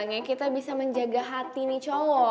jadi kita bisa menjaga hati nih cowok